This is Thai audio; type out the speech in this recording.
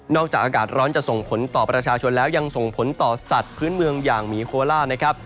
จากอากาศร้อนจะส่งผลต่อประชาชนแล้วยังส่งผลต่อสัตว์พื้นเมืองอย่างหมีโคล่านะครับ